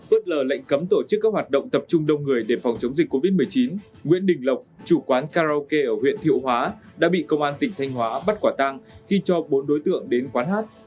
bất ngờ lệnh cấm tổ chức các hoạt động tập trung đông người để phòng chống dịch covid một mươi chín nguyễn đình lộc chủ quán karaoke ở huyện thiệu hóa đã bị công an tỉnh thanh hóa bắt quả tang khi cho bốn đối tượng đến quán hát